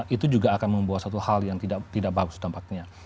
itu juga akan membawa satu hal yang tidak bagus dampaknya